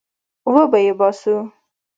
وبې يې باسو.